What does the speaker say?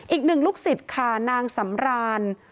อีกหนึ่งลูกศิษย์ค่ะนางสำราน